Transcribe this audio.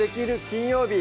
金曜日」